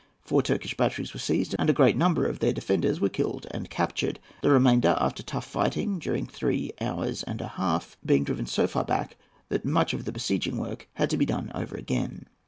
Four Turkish batteries were seized, and a great number of their defenders were killed and captured; the remainder, after tough fighting during three hours and a half, being driven so far back that much of the besieging work had to be done over again.